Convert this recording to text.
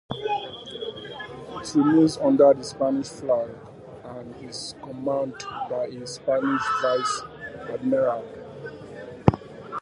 It remains under the Spanish flag and is commanded by a Spanish Vice Admiral.